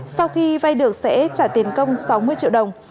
sau khi vay được sẽ trả tiền công sáu mươi triệu đồng